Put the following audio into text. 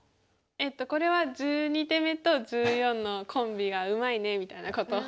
えっとこれは１２手目と１４のコンビが「うまいね」みたいなことを。